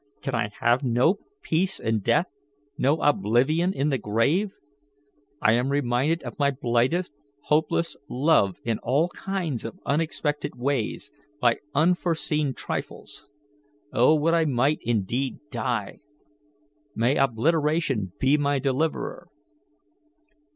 Can I have no peace in death, no oblivion in the grave? I am reminded of my blighted, hopeless love in all kinds of unexpected ways, by unforeseen trifles. Oh, would I might, indeed, die! May obliteration be my deliverer!"